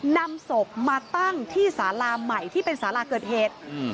นำศพมาตั้งที่สาราใหม่ที่เป็นสาราเกิดเหตุ